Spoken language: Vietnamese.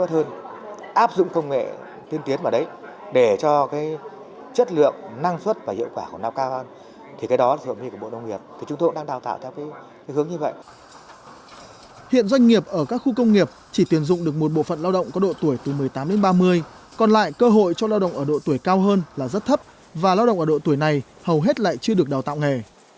hiện doanh nghiệp ở các khu công nghiệp chỉ tuyển dụng được một bộ phận lao động có độ tuổi từ một mươi tám đến ba mươi còn lại cơ hội cho lao động ở độ tuổi cao hơn là rất thấp và lao động ở độ tuổi này hầu hết lại chưa được đào tạo nghề